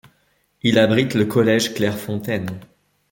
Il abrite le collège Clairefontaine.